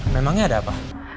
memangnya ada apa